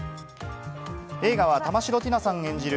映画は玉城ティナさん演じる